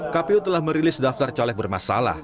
kpu telah merilis daftar caleg bermasalah